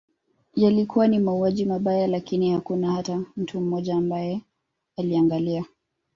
Yalikuwa ni mauaji mabaya lakini hakuna hata mtu mmoja ambaye aliangalia